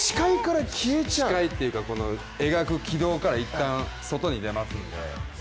視界というか、描く軌道から一旦外に出ますので。